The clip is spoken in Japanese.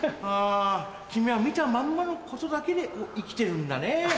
君は見たまんまのことだけで生きてるんだね。